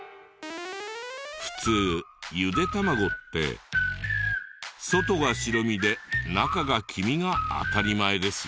普通ゆで卵って外が白身で中が黄身が当たり前ですよね。